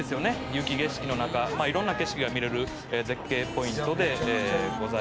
雪景色の中」「いろんな景色が見れる絶景ポイントでございます」